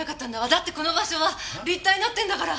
だってこの場所は立体になってんだから。